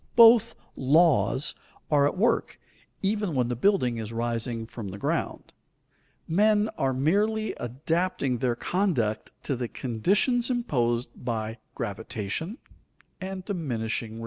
Both "laws" are at work, even when the building is rising from the ground. Men are merely adapting their conduct to the conditions imposed by gravitation and diminishing returns.